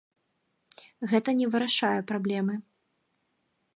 Гэта не вырашае праблемы.